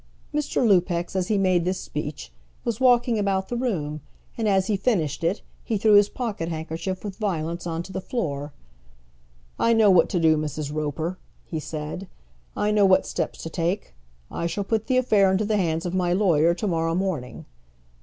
Mr. Lupex, as he made this speech, was walking about the room, and as he finished it he threw his pocket handkerchief with violence on to the floor. "I know what to do, Mrs. Roper," he said. "I know what steps to take. I shall put the affair into the hands of my lawyer to morrow morning."